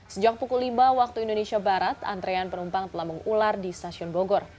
sejak pukul lima waktu indonesia barat antrean penumpang telah mengular di stasiun bogor